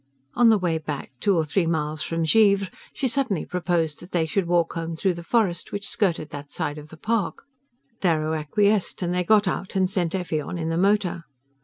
On the way back, two or three miles from Givre, she suddenly proposed that they should walk home through the forest which skirted that side of the park. Darrow acquiesced, and they got out and sent Effie on in the motor.